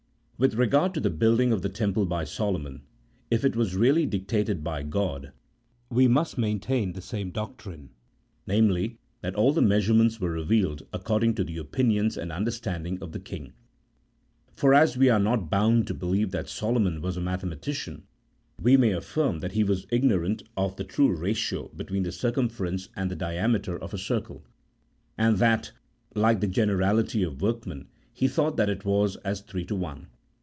With regard to the building of the Temple by Solomon, if it was really dictated by God we must maintain the same doctrine : namely, that all the measurements were revealed according to the opinions and understanding of the king ; for as we are not bound to believe that Solomon was a mathematician, we may affirm that he was ignorant of the true ratio between the circumference and the diameter of a circle, and that, like the generality of workmen, he thought that it was as three to one.